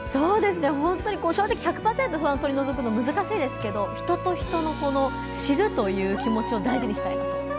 正直１００％、不安を取り除くのは難しいですけど人と人の知るという気持ちを大事にしたいなと思います。